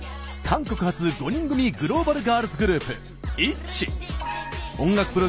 韓国発５人組グローバルガールズグループＩＴＺＹ。